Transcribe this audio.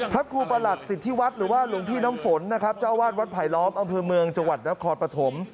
พระครูประหลัดสิทธิวัฒน์หรือว่าหลวงพี่น้ำฝนนะครับเจ้าวาดวัดไผลล้อมอำเภอเมืองจังหวัดนครปฐม